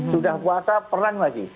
sudah puasa perang lagi